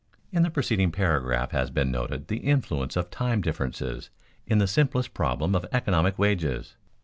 _ In the preceding paragraph has been noted the influence of time differences in the simplest problem of economic wages.